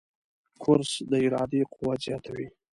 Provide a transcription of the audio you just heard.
کورس د ارادې قوت زیاتوي.